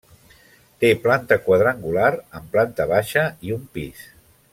Té planta quadrangular, amb planta baixa i un pis.